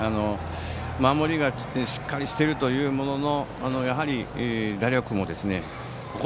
守りがしっかりしているとはいうもののやはり、打力もここ！